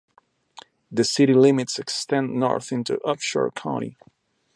The city limits extend north into Upshur County.